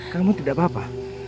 kamu tidak apa apa